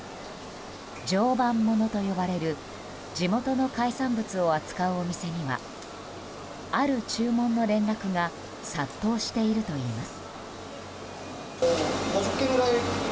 常磐ものと呼ばれる地元の海産物を扱うお店にはある注文の連絡が殺到しているといいます。